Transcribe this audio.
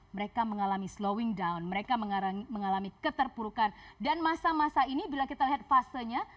mereka mengalami slowing down mereka mengalami keterpurukan dan masa masa ini bila kita lihat fasenya